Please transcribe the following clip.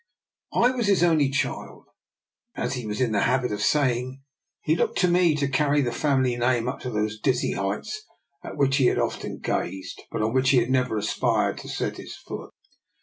I was his only child, and, as he was in the habit of saying, he looked to me to carry the family name up to those dizzy heights at which he had often gazed, but on which he had never aspired to set his foot.